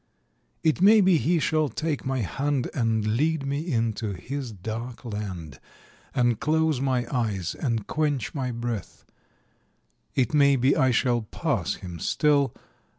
It may be he shall take my hand And lead me into his dark land And close my eyes and quench my breath It may be I shall pass him still.